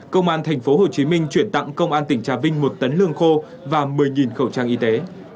công an tp hcm chuyển tặng công an tỉnh trà vinh một tấn lương khô và một mươi khẩu trang y tế